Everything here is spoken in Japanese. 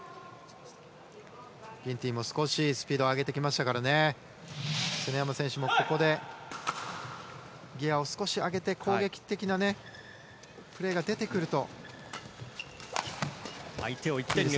ギンティンも少しスピードを上げてきましたから常山選手もここでギアを上げて攻撃的なプレーが出てくると。